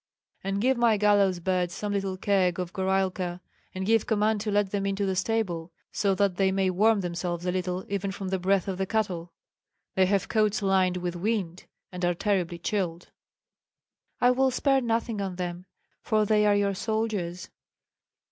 "And give my gallows' birds some little keg of gorailka, and give command to let them into the stable, so that they may warm themselves a little even from the breath of the cattle. They have coats lined with wind, and are terribly chilled." "I will spare nothing on them, for they are your soldiers."